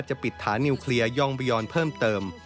ปิดฐานิวเคลียร์ย่องบยอนเพิ่มเติม